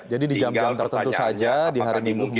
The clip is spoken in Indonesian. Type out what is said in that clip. jadi di jam jam tertentu saja di hari minggu